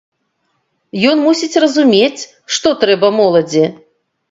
Ён мусіць разумець, што трэба моладзі.